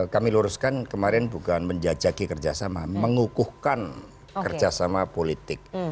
kami luruskan kemarin bukan menjajaki kerjasama mengukuhkan kerjasama politik